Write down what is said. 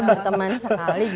berteman sekali gitu